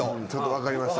分かりました。